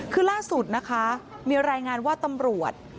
คือล่าสุดนะคะมีรายงานว่าตำรวจ